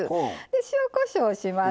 塩こしょうします。